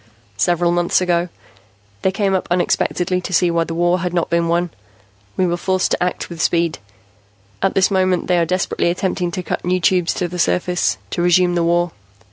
"Several months ago, they came up unexpectedly to see why the war had not been won. We were forced to act with speed. At this moment they are desperately attempting to cut new Tubes to the surface, to resume the war.